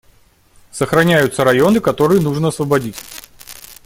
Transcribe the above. Сохраняются районы, которые нужно освободить.